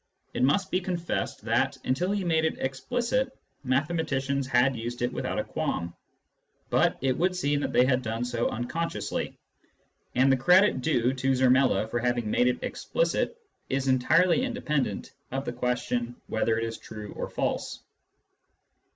It must be confessed that, until he made it explicit, mathematicians had used it without a qualm ; but it would seem that they had done so unconsciously. And the credit due to Zermelo for having made it explicit is entirely independent of the question whether it is true or false.